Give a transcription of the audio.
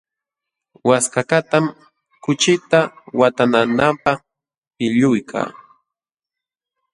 Waskakaqtam kuchita watananapaq pilluyka.